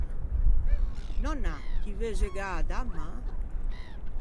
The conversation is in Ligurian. Nònna, ti veu zugâ a-a damma?